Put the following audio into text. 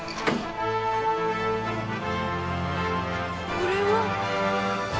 これは。